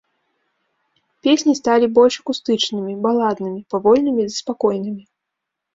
Песні сталі больш акустычнымі, баладнымі, павольнымі ды спакойнымі.